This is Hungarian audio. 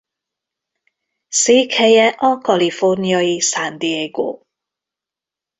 Székhelye a kaliforniai San Diego.